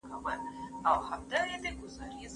تاسي کله په دغه کوڅې کي کور جوړ کړی؟